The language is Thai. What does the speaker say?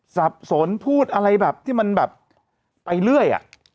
สับสนพูดอะไรแบบที่มันแบบไปเรื่อย